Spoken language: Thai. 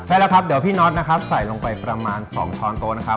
ใช่แล้วครับเดี๋ยวพี่น็อตนะครับใส่ลงไปประมาณ๒ช้อนโต๊ะนะครับ